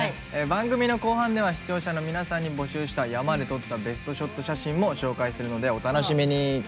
番組の後半では視聴者の皆さんに募集した山で撮ったベストショット写真も紹介するのでお楽しみに。